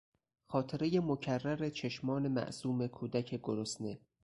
خاطرهی مکرر چشمان معصوم کودک گرسنه